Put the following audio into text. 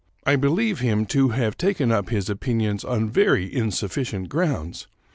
I believe him to have taken up his opinions on very insufficient grounds.